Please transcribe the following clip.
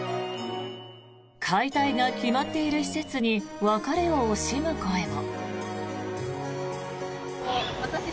解体が決まっている施設に別れを惜しむ声も。